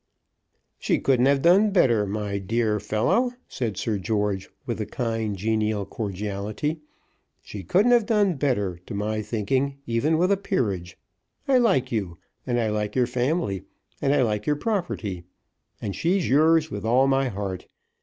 "She couldn't have done better, my dear fellow," said Sir George, with kind, genial cordiality. "She couldn't have done better, to my thinking, even with a peerage. I like you, and I like your family, and I like your property; and she's yours with all my heart.